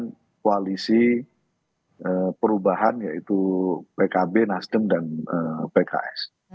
dengan koalisi perubahan yaitu pkb nasdem dan pks